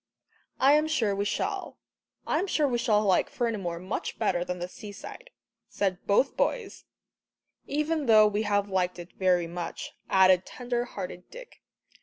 "I am sure we shall. I am sure we shall like Fernimoor much better than the seaside," said both boys "even though we have liked it very much," added tender hearted Dick.